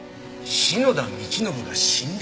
篠田道信が死んだ？